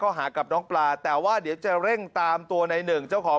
หากับน้องปลาแต่ว่าเดี๋ยวจะเร่งตามตัวในหนึ่งเจ้าของ